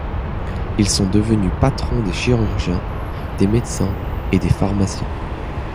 Ils sont devenus patrons des chirurgiens, des médecins et des pharmaciens.